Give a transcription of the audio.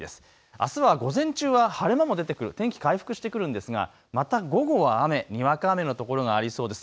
あすは午前中は晴れ間も出てくる、天気回復してくるんですが、また午後は雨、にわか雨の所がありそうです。